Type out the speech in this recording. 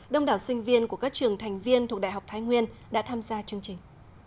đông đảo sinh viên của các trường thành viên thuộc đại học thái nguyên đã tham gia chương trình